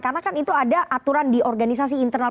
karena kan itu ada aturan di organisasi internal